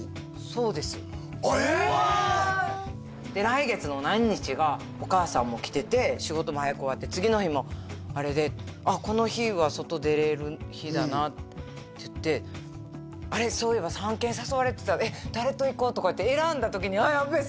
そうですあっええで来月の何日がお母さんも来てて仕事も早く終わって次の日もあれであっこの日は外出れる日だなって言ってあれっそういえば３件誘われてたえっ誰と行こうとかって選んだ時にあっそうだったの？